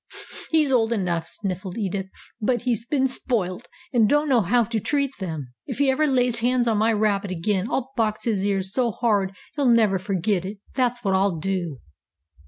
"He's old enough," sniffed Edith, "but he's been spoilt, and don't know how to treat them. If he ever lays hands on my rabbit again, I'll box his ears so hard he'll never forget it. That's what I'll do!"